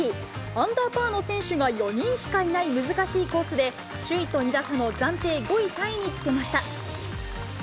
アンダーパーの選手が４人しかいない難しいコースで、首位と２打差の暫定５位タイにつけました。